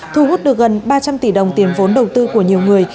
thu hút được gần ba trăm linh tỷ đồng tiền vốn đầu tư của nhiều người